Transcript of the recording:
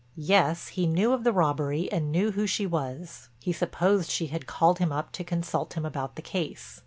Yes, he knew of the robbery and knew who she was; he supposed she had called him up to consult him about the case.